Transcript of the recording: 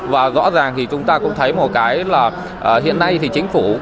và rõ ràng thì chúng ta cũng thấy một cái là hiện nay thì chính phủ